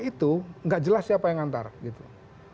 itu tidak jelas siapa yang mengantar